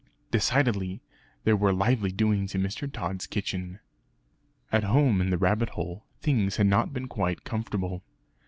Decidedly there were lively doings in Mr. Tod's kitchen! At home in the rabbit hole, things had not been quite comfortable.